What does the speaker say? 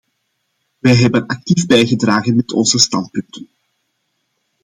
Wij hebben actief bijgedragen met onze standpunten.